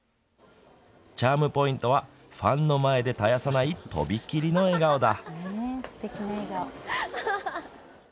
チャームポイントはファンの前で絶やさないとびきりの笑顔だ。